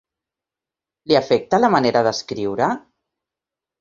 Li afecta la manera d'escriure?